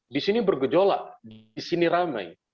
di sini bergejolak di sini ramai